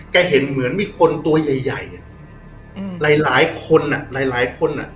เห็นเหมือนมีคนตัวใหญ่ใหญ่อ่ะอืมหลายหลายคนอ่ะหลายหลายคนอ่ะ